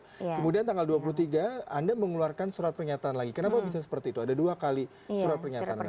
kemudian tanggal dua puluh tiga anda mengeluarkan surat pernyataan lagi kenapa bisa seperti itu ada dua kali surat pernyataan resmi